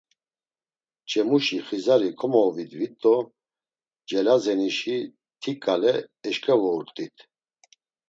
Ç̌emuşi xizari komoovidvit do celazenişi ti ǩale eşǩevourt̆it.